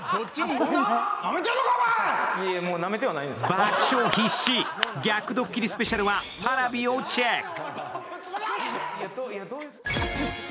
・爆笑必至、逆ドッキリスペシャルはＰａｒａｖｉをチェック。